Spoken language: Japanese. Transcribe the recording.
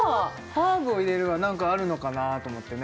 ハーブを入れるはなんかあるのかなと思ってね